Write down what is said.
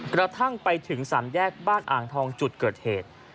กระทั่งไปถึงสามแยกบ้านอ่างทองจุดเกิดเหตุ